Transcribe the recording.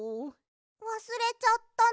わすれちゃったの？